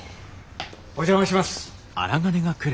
お邪魔します。